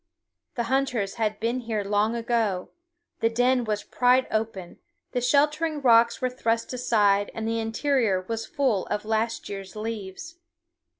The hunters had been here long ago; the den was pried open, the sheltering rocks were thrust aside, and the interior was full of last year's leaves.